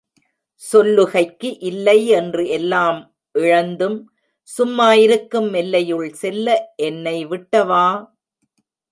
சொல்லுகைக்கு இல்லைஎன்று எல்லாம் இழந்துசும் மாஇருக்கும் எல்லையுள் செல்ல எனைவிட்ட வா!